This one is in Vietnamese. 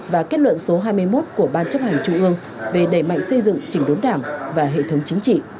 và kết luận số hai mươi một của ban chấp hành trung ương về đẩy mạnh xây dựng chỉnh đốn đảng và hệ thống chính trị